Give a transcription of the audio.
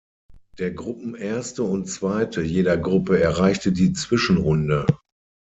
Der Gruppenerste und -zweite jeder Gruppe erreichte die Zwischenrunde.